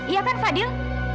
iya kan fadil